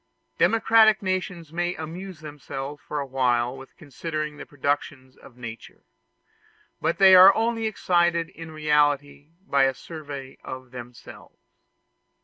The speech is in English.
Democratic nations may amuse themselves for a while with considering the productions of nature; but they are only excited in reality by a survey of themselves.